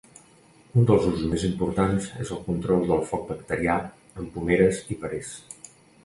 Un dels usos més importants és el control del foc bacterià en pomeres i perers.